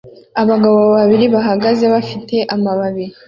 Abagabo babiri bahagaze bafite amababi